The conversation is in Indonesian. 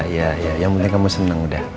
ya yang penting kamu seneng udah